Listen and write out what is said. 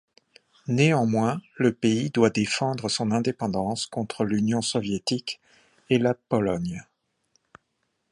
Néanmoins, le pays doit défendre son indépendance contre l'Union soviétique et la Pologne.